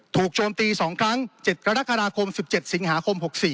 ถูกโจมตี๒ครั้ง๗กรค๑๗สค๖๔